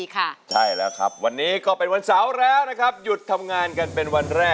ต้องการสำคัญได้ล่ะครับวันนี้ก็เป็นวันเสาร์แล้วนะครับหยุดทำงานกันเป็นวันแรก